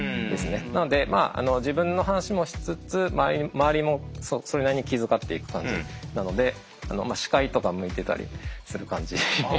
なので自分の話もしつつ周りもそれなりに気遣っていく感じなので司会とか向いてたりする感じですね。